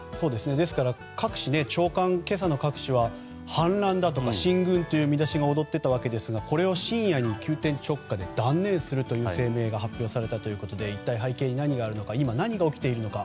ですから朝刊各紙は反乱だとか進軍という見出しが躍っていたわけですがこれを深夜に急転直下で断念するという声明が発表されたということで一体、背景に何があるのか一体、何が起きているのか。